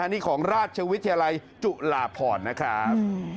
นี่ของราชวิทยาลัยจุฬาพรนะครับ